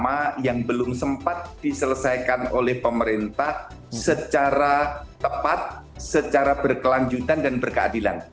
ada informasi yang belum sempat diselesaikan oleh pemerintah secara tepat secara berkelanjutan dan berkeadilan